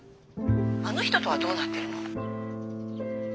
あの人とはどうなってるの？